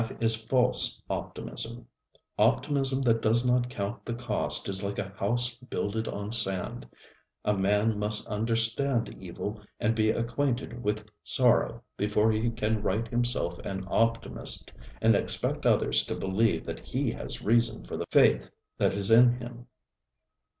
That is false optimism. Optimism that does not count the cost is like a house builded on sand. A man must understand evil and be acquainted with sorrow before he can write himself an optimist and expect others to believe that he has reason for the faith that is in him.